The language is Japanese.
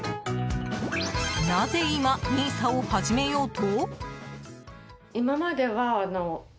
なぜ今、ＮＩＳＡを始めようと？